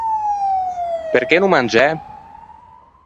Perché no mangiæ?